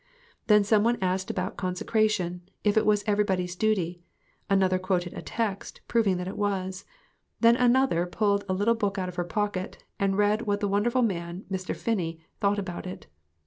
Then some one asked about consecration if it was everybody's duty ; another quoted a text, proving that it was. Then another pulled a little book out of her pocket, and read what that wonderful man, Mr. Finney, thought about it.